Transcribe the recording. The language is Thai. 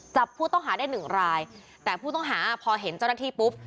จับผู้ต้องหาได้หนึ่งรายแต่ผู้ต้องหาพอเห็นเจ้าหน้าที่ปุ๊บ